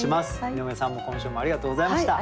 井上さんも今週もありがとうございました。